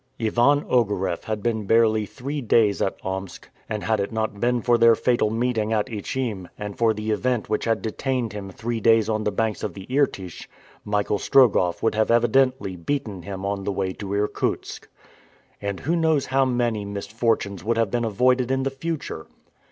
Ivan Ogareff had been barely three days at Omsk, and had it not been for their fatal meeting at Ichim, and for the event which had detained him three days on the banks of the Irtych, Michael Strogoff would have evidently beaten him on the way to Irkutsk. And who knows how many misfortunes would have been avoided in the future!